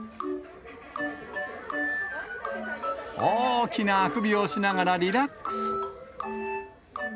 大きなあくびをしながらリラックス。